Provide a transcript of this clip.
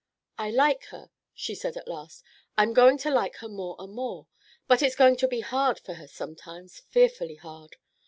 "I like her," she said at last. "I'm going to like her more and more. But it's going to be hard for her sometimes, fearfully hard.